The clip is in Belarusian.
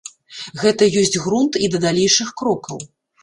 Гэта ёсць грунт і да далейшых крокаў.